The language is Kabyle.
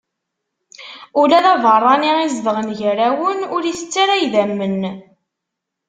Ula d abeṛṛani izedɣen gar-awen ur itett ara idammen.